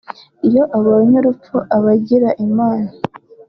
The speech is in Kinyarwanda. iyo abonye urupfu aba agira Imana